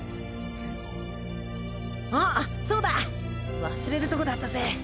あっそうだ忘れるとこだったぜ。